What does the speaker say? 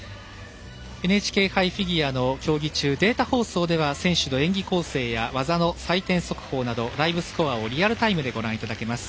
ＮＨＫ杯フィギュアの競技中データ放送では選手の演技構成や技の採点速報などライブスコアをリアルタイムでご覧いただけます。